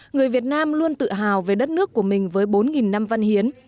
người việt nam luôn tự hào về đất nước của mình với bốn năm văn hiến